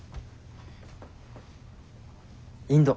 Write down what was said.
インド。